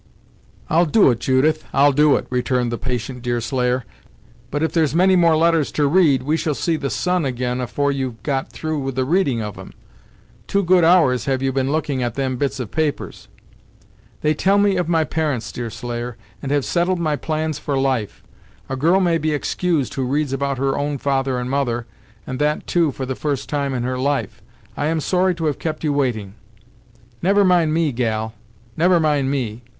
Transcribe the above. "I'll do it, Judith; I'll do it," returned the patient Deerslayer, "but if there's many more letters to read, we shall see the sun ag'in afore you've got through with the reading of them! Two good hours have you been looking at them bits of papers!" "They tell me of my parents, Deerslayer, and have settled my plans for life. A girl may be excused, who reads about her own father and mother, and that too for the first time in her life! I am sorry to have kept you waiting." "Never mind me, gal; never mind me.